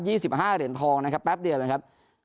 สิบห้าเหรียญทองนะครับแป๊บเดียวนะครับ